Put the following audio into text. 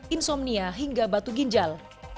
insomnia hingga batu ginjal